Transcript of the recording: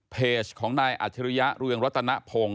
เปิดของนายอัศริระโรยิงรตนภง